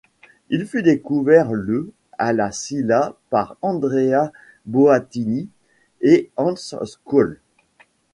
Il fut découvert le à La Silla par Andrea Boattini et Hans Scholl.